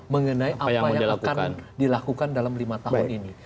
mengenai apa yang akan dilakukan dalam lima tahun ini